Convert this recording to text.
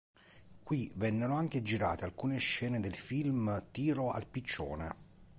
Qui vennero anche girate alcune scene del film Tiro al piccione.